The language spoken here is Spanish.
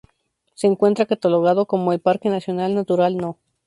Se encuentra catalogado como el Parque Nacional Natural No.